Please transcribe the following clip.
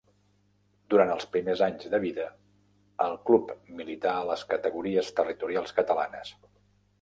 Durant els primers anys de vida, el club milità a les categories territorials catalanes.